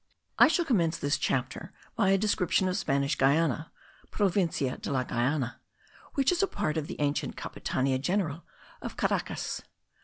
I shall commence this chapter by a description of Spanish Guiana (Provincia de la Guyana), which is a part of the ancient Capitania general of Caracas.